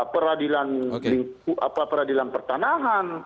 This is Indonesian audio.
peradilan lingku peradilan pertanahan